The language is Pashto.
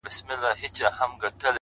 • تیاره وریځ ده ـ باد دی باران دی ـ